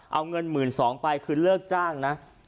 เอาเงิน๑๒๐๐ไปคือเลิกจ้างนะ